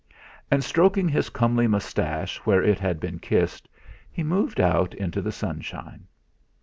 And stroking his comely moustache where it had been kissed, he moved out into the sunshine.